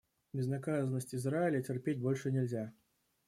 Безнаказанность Израиля терпеть больше нельзя.